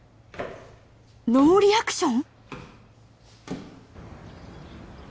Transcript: ノーリアクション？